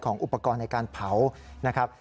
อุปกรณ์ในการเผานะครับ